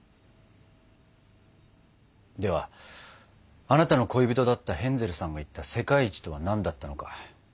ではあなたの恋人だったヘンゼルさんが言った「世界一」とは何だったのか。